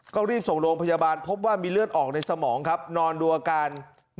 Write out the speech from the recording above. ก็รีบส่งโรงพยาบาลพบว่ามีเลือดออกในสมองครับนอนดูอาการ